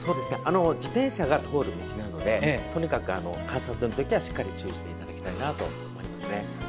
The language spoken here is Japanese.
自転車が通る道なので観察するときはしっかり注意していただきたいなと思います。